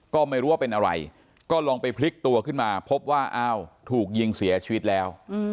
ก็ไม่รู้ว่าเป็นอะไรก็ลองไปพลิกตัวขึ้นมาพบว่าอ้าวถูกยิงเสียชีวิตแล้ว